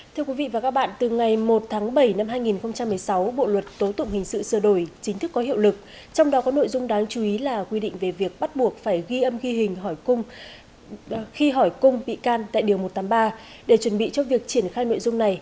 thưa quý vị và các bạn từ ngày một tháng bảy năm hai nghìn một mươi sáu bộ luật tố tụng hình sự sửa đổi chính thức có hiệu lực trong đó có nội dung đáng chú ý là quy định về việc bắt buộc phải ghi âm ghi hình hỏi cung khi hỏi cung bị can tại điều một trăm tám mươi ba để chuẩn bị cho việc triển khai nội dung này